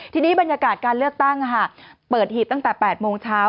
ทีนี้บรรยากาศการเลือกตั้งเปิดหีบตั้งแต่๘โมงเช้า